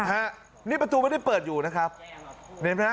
ฮะนี่ประตูไม่ได้เปิดอยู่นะครับเห็นไหมฮะ